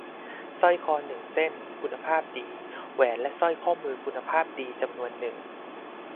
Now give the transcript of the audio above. สร้อยคอหนึ่งเส้น-คุณภาพดี-แหวนและสร้อยข้อมือคุณภาพดีจำนวนหนึ่ง